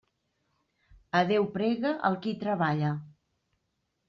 A Déu prega el qui treballa.